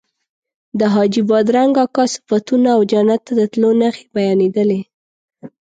د حاجي بادرنګ اکا صفتونه او جنت ته د تلو نښې بیانېدلې.